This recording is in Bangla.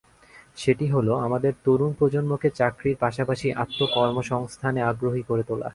সেটি হলো আমাদের তরুণ প্রজন্মকে চাকরির পাশাপাশি আত্মকর্মসংস্থানে আগ্রহী করে তোলা।